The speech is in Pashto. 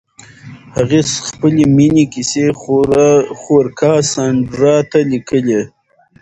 هغې خپلې مینې کیسې خور کاساندرا ته لیکلې.